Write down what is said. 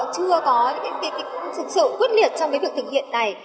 chưa có sự quyết liệt trong cái việc thực hiện này